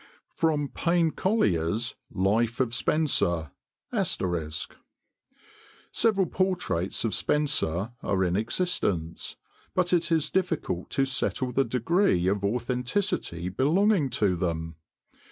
[Sidenote: Payne Collier's Life of Spenser. *] "Several portraits of Spenser are in existence; but it is difficult to settle the degree of authenticity belonging to them.